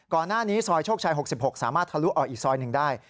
ซอยนี้ซอยโชคชัย๖๖สามารถทะลุออกอีกซอยหนึ่งได้